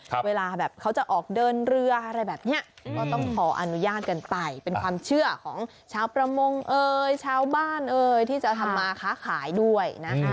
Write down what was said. เวลาแบบเขาจะออกเดินเรืออะไรแบบเนี้ยก็ต้องขออนุญาตกันไปเป็นความเชื่อของชาวประมงเอ่ยชาวบ้านเอ่ยที่จะทำมาค้าขายด้วยนะคะ